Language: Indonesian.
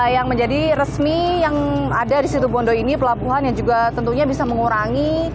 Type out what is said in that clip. yang menjadi resmi yang ada di situ bondo ini pelabuhan yang juga tentunya bisa mengurangi